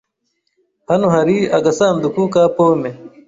Hano hari agasanduku ka pome.